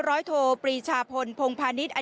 ร้อยโทรปรีชาพลพงภานิษย์อดีตว่า